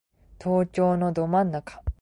東京のど真ん中